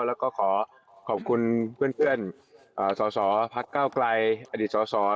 แล้วก็ขอขอบคุณเพื่อนสอสอพักเก้าไกลอดีตสส